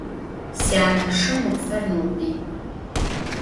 Syaneşım ıts'er Nurbıy.